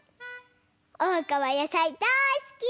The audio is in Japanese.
おうかはやさいだいすき！